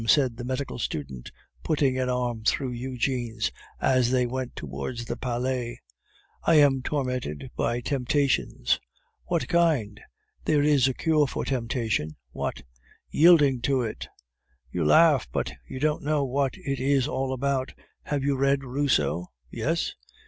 said the medical student, putting an arm through Eugene's as they went towards the Palais. "I am tormented by temptations." "What kind? There is a cure for temptation." "What?" "Yielding to it." "You laugh, but you don't know what it is all about. Have you read Rousseau?" "Yes."